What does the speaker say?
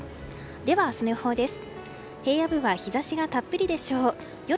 では、明日の予報です。